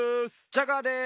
ジャガーです。